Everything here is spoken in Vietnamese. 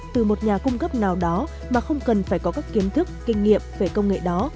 từ một nhà cung cấp nào đó mà không cần phải có các kiến thức kinh nghiệm về công nghệ đó